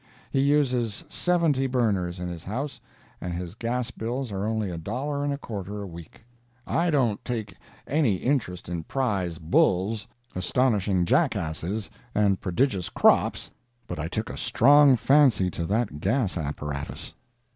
He uses seventy burners in his house, and his gas bills are only a dollar and a quarter a week. I don't take any interest in prize bulls, astonishing jackasses and prodigious crops, but I took a strong fancy to that gas apparatus.